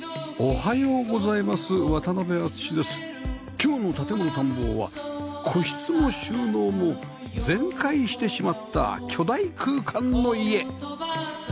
今日の『建もの探訪』は個室も収納も全開してしまった巨大空間の家